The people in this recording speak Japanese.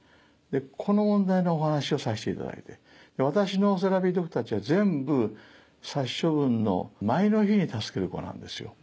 この問題のお話をさせていただいて私のセラピードッグたちは全部殺処分の前の日に助けるコなんですよ。